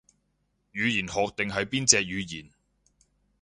語言學定係邊隻語言